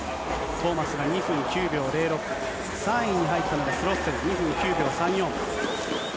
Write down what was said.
トーマスが２分９秒０６、３位に入ったのがスロッセル、２分９秒３４。